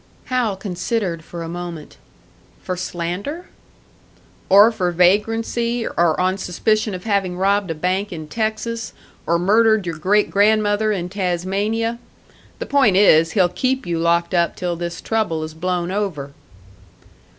Hal considered for a moment. "For slander?" "Or for vagrancy; or on suspicion of having robbed a bank in Texas, or murdered your great grandmother in Tasmania. The point is, he'll keep you locked up till this trouble has blown over."